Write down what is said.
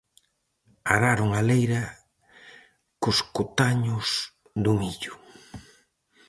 Araron a leira cos cotaños do millo.